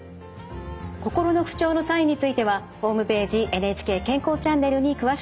心の不調のサインについてはホームページ「ＮＨＫ健康チャンネル」に詳しく掲載されています。